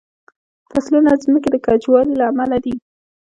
فصلونه د ځمکې د کجوالي له امله دي.